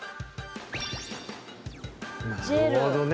なるほどね。